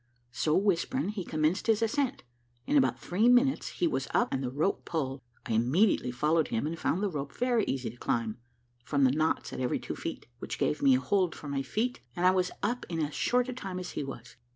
So whispering, he commenced his ascent; in about three minutes he was up, and the rope pulled. I immediately followed him, and found the rope very easy to climb, from the knots at every two feet, which gave me a hold for my feet, and I was up in as short a time as he was.